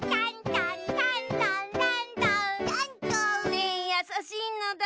リンやさしいのだ！